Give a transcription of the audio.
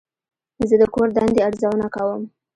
زه د کور دندې ارزونه کوم.